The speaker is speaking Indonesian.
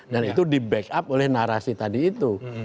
dan itu di backup oleh narasi tadi itu